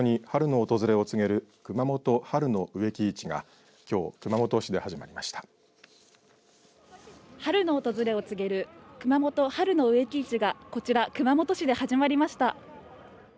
春の訪れを告げるくまもと春の植木市がこちら熊本市で始まりました。